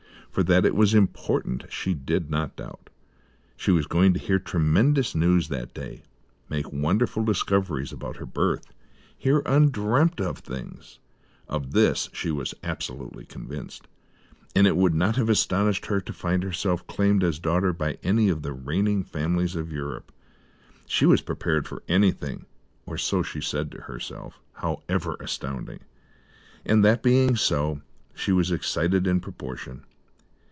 For that it was important she did not doubt. She was going to hear tremendous news that day; make wonderful discoveries about her birth; hear undreamt of things. Of this she felt absolutely convinced, and it would not have astonished her to find herself claimed as daughter by any of the reigning families of Europe. She was prepared for anything, or so she said to herself, however astounding; and, that being so, she was excited in proportion.